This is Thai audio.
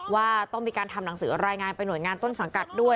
ว่าต้องมีการทำหนังสือรายงานไปหน่วยงานต้นสังกัดด้วย